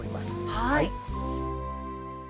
はい。